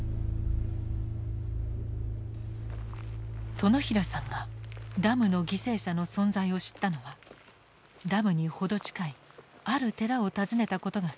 殿平さんがダムの犠牲者の存在を知ったのはダムに程近いある寺を訪ねたことがきっかけだった。